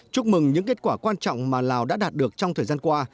chúc mừng những kết quả quan trọng mà lào đã đạt được trong thời gian qua